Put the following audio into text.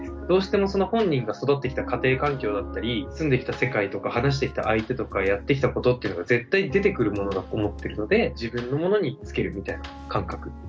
どうしてもその本人が育ってきた家庭環境だったり住んできた世界とか話してきた相手とかやってきたことっていうのが絶対出てくるものだと思っているのでなるほどなるほど。